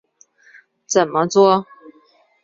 怎么作？